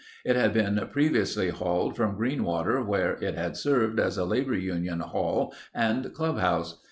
It had been previously hauled from Greenwater where it had served as a labor union hall and club house.